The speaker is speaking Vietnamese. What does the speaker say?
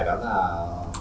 phải chia sẻ đó là